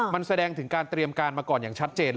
มันแสดงถึงการเตรียมการมาก่อนอย่างชัดเจนเลย